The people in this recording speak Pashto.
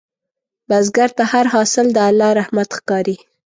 بزګر ته هر حاصل د الله رحمت ښکاري